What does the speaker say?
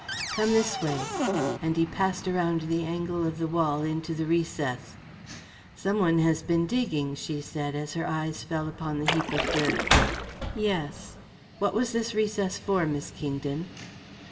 "Come this way," and he passed around the angle of the wall into the recess. "Some one has been digging," she said, as her eyes fell upon the heap of dirt. "Yes; what was this recess for, Miss Kingdon?"